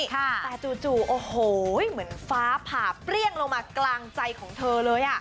แต่จู่โอ้โหเหมือนฟ้าผ่าเปรี้ยงลงมากลางใจของเธอเลย